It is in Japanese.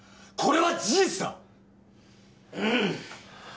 これは事実だ！